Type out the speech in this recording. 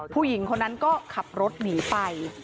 ผู้หญิงคนนั้นก็ขับรถหนีไป